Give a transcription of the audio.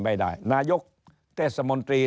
ไม่ได้นายกเทศมนตรี